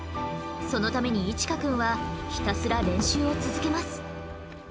そのために一奏くんはひたすら練習を続けます。